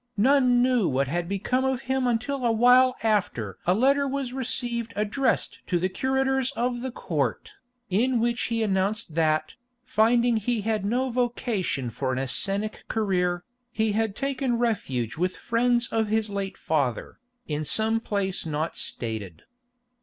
None knew what had become of him until a while after a letter was received addressed to the Curators of the Court, in which he announced that, finding he had no vocation for an Essenic career, he had taken refuge with friends of his late father, in some place not stated.